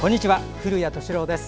古谷敏郎です。